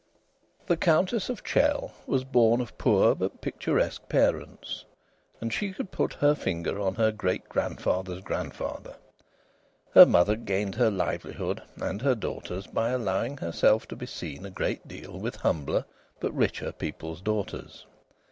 The Countess of Chell was born of poor but picturesque parents, and she could put her finger on her great grandfather's grandfather. Her mother gained her livelihood and her daughter's by allowing herself to be seen a great deal with humbler but richer people's daughters.